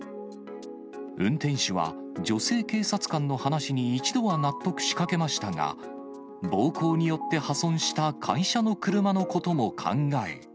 運転手は、女性警察官の話に一度は納得しかけましたが、暴行によって破損した会社の車のことも考え。